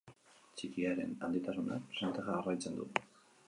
Txikiaren handitasunak presente jarraitzen du.